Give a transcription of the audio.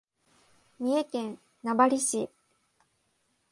三重県名張市